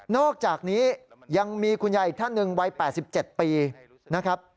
อกจากนี้ยังมีคุณยายอีกท่านหนึ่งวัย๘๗ปีนะครับ